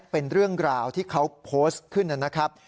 เป็นเรื่องราวที่เขาโพสต์ขึ้นนะครับ